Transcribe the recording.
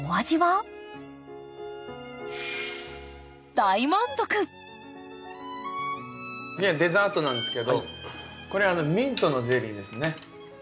次はデザートなんですけどこれミントのゼリーですね。